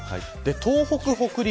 東北、北陸